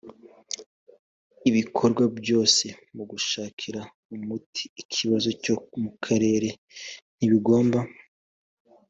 ibikorwa byose mu gushakira umuti ikibazo cyo mu karere ntibigomba